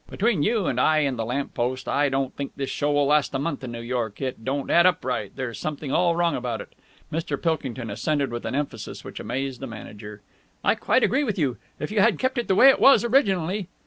Between you and I and the lamp post, I don't think this show will last a month in New York. It don't add up right! There's something all wrong about it." Mr. Pilkington assented with an emphasis which amazed the manager. "I quite agree with you! If you had kept it the way it was originally...."